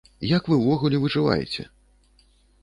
Як вы ўвогуле выжываеце?